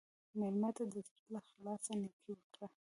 مېلمه ته د زړه له اخلاصه نیکي وکړه.